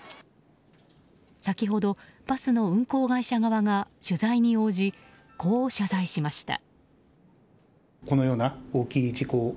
先ほど、バスの運行会社側が取材に応じこう謝罪しました。